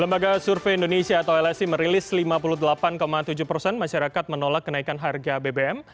lembaga survei indonesia atau lsi merilis lima puluh delapan tujuh persen masyarakat menolak kenaikan harga bbm